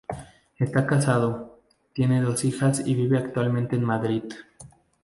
Está casado, tiene dos hijas y vive actualmente en Madrid.